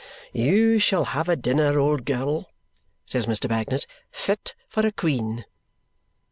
"You shall have a dinner, old girl," says Mr. Bagnet. "Fit for a queen."